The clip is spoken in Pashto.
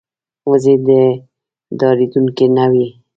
وزې ډارېدونکې نه وي